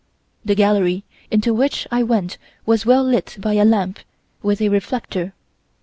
"The gallery into which I went was well lit by a lamp with a reflector.